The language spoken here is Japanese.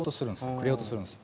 くれようとするんすよ。